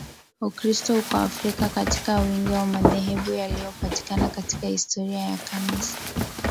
Ukristo uko Afrika katika wingi wa madhehebu yaliyopatikana katika historia ya Kanisa